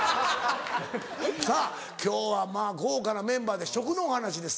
さぁ今日はまぁ豪華なメンバーで食のお話です。